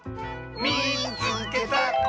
「みいつけた！」。